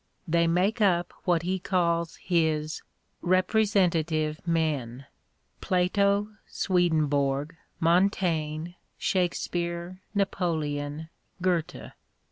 They makeup what he calls his " Representative Men ": Plato, Swedenborg, Montaigne, Shakespeare, Napoleon, Goethe.